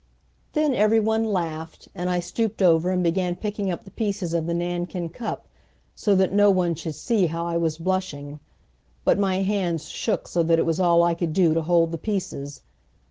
Then every one laughed, and I stooped over and began picking up the pieces of the Nankin cup, so that no one should see how I was blushing, but my hands shook so that it was all I could do to hold the pieces.